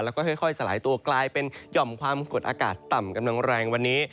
แล้วก็ค่อยสลายตัวกลายเป็นหย่อมความกดอากาศต่ำกำลังแรงวันนี้